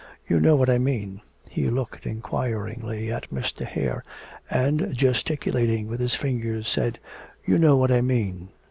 You know what I mean.' He looked inquiringly at Mr. Hare, and, gesticulating with his fingers, said, 'You know what I mean.'